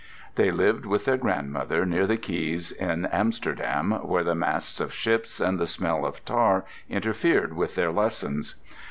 They lived with their grandmother, near the quays in Amsterdam, where the masts of ships and the smell of tar interfered with their lessons.